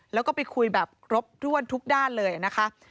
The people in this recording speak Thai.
แล้วก็ไปคุยแบบครบถ้วนทุกด้านเลยนะคะ